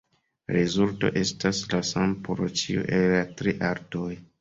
La rezulto estas la sama por ĉiu el la tri altoj.